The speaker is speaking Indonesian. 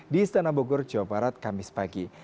di istana bogor jawa barat kamis pagi